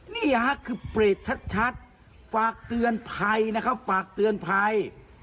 นี่คือเปรตชัดฝากเตือนภัยนะครับฝากเตือนภัย